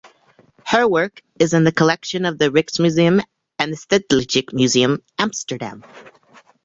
Her work is in the collection of the Rijksmuseum and the Stedelijk Museum Amsterdam.